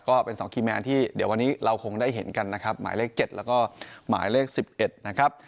ก็เป็น๒คีย์แมนที่เดี๋ยววันนี้เราคงได้เห็นกันนะครับหมายเลข๗แล้วก็หมายเลข๑๑นะครับ